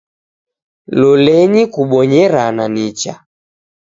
Lolenyi kubonyeranya nicha